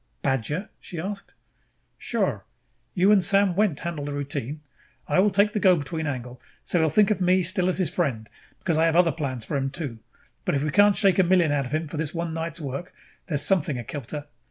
"Badger?" she asked. "Sure. You and Sam Wendt handle the routine. I will take the go between angle, so he will think of me as still his friend, because I have other plans for him too. But if we can't shake a million out of him for this one night's work, there is something akilter.